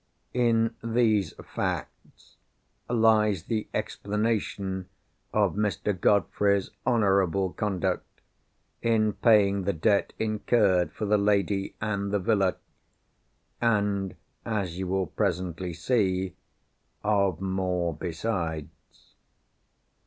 In these facts lies the explanation of Mr. Godfrey's honourable conduct, in paying the debts incurred for the lady and the villa—and (as you will presently see) of more besides.